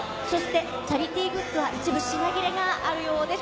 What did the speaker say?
チャリティーグッズは一部、品切れがあるようです。